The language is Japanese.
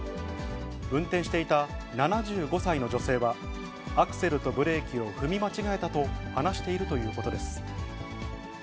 運転していた７５歳の女性は、アクセルとブレーキを踏み間違えたと話しているということです。